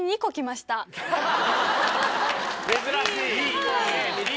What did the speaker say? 珍しい！